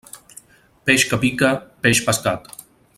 Peix que pica, peix pescat.